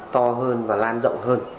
to hơn và lan rộng hơn